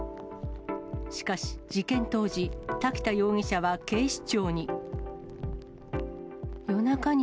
しかし、事件当時、滝田容疑者は警視庁に。